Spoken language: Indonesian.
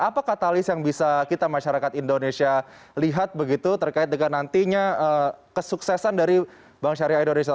apa katalis yang bisa kita masyarakat indonesia lihat begitu terkait dengan nantinya kesuksesan dari bank syariah indonesia